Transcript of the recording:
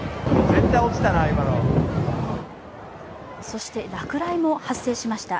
そして落雷も発生しました。